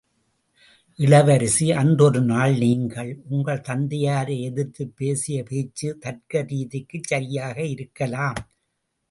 இளவரசி அன்றொரு நாள் நீங்கள், உங்கள் தந்தையாரை எதிர்த்துப் பேசிய பேச்சு தர்க்க ரீதிக்குச் சரியாக இருக்கலாம்.